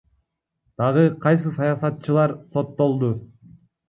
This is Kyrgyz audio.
Дагы кайсы саясатчылар соттолду?